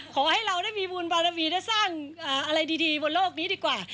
ขอให้เราได้มีบุญบารมีและสร้างอะไรดีบนโลกนี้ดีกว่า